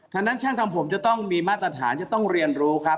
ฉะนั้นช่างทำผมจะต้องมีมาตรฐานจะต้องเรียนรู้ครับ